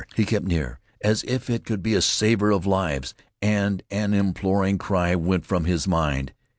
He kept near, as if it could be a saver of lives, and an imploring cry went from his mind.